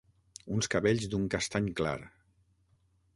Uns cabells d'un castany clar.